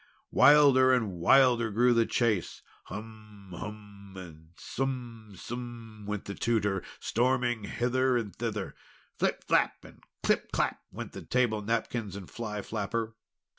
Wilder and wilder grew the chase. "Hum! Hum!" and "Sum! Sum!" went the Tutor, storming hither and thither. "Flip! Flap!" and "Clip! Clap!" went the table napkins and fly flapper.